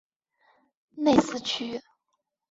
内斯屈。